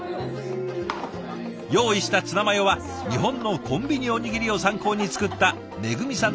用意したツナマヨは日本のコンビニおにぎりを参考に作っためぐみさん